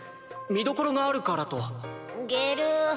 「見どころがあるから」とゲル？